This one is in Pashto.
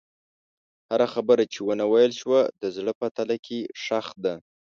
هره خبره چې ونه ویل شوه، د زړه په تله کې ښخ ده.